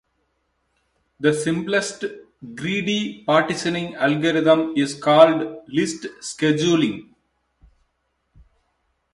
The simplest greedy partitioning algorithm is called list scheduling.